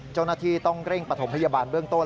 เจ้าหน้าที่ต้องเร่งปฐมพยาบาลเบื้องต้น